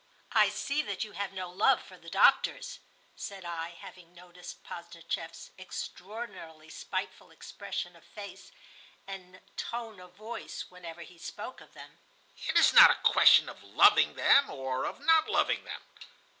"I see that you have no love for the doctors," said I, having noticed Posdnicheff's extraordinarily spiteful expression of face and tone of voice whenever he spoke of them. "It is not a question of loving them or of not loving them.